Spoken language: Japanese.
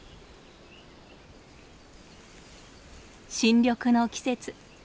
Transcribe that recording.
新緑の季節。